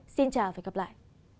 xin chào và hẹn gặp lại